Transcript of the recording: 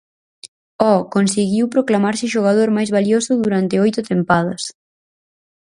Oh conseguiu proclamarse xogador máis valioso durante oito tempadas.